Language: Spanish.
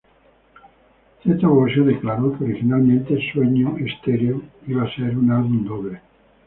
Zeta Bosio declaró que originalmente "Sueño Stereo" iba a ser un álbum doble.